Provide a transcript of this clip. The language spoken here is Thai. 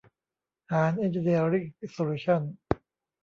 หาญ เอ็นจิเนียริ่ง โซลูชั่นส์